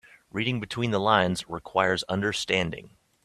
Reading between the lines requires understanding.